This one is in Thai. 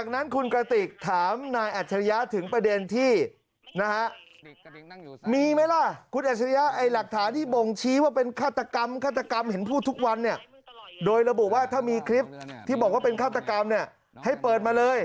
นั่นอ่ะสินี่นี่